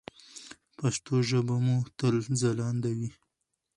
پښتو ژبه مو تل ځلانده وي.